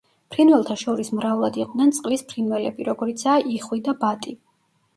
ფრინველთა შორის მრავლად იყვნენ წყლის ფრინველები, როგორიცაა იხვი და ბატი.